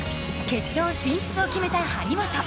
決勝進出を決めた張本。